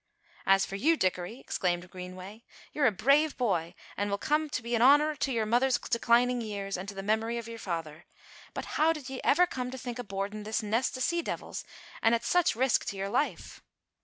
"As for ye, Dickory," exclaimed Greenway, "ye're a brave boy an' will yet come to be an' honour to yer mither's declining years an' to the memory o' your father. But how did ye ever come to think o' boardin' this nest o' sea de'ils, an' at such risk to your life?"